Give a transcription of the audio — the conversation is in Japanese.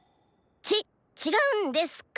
ちっちがうんですか」。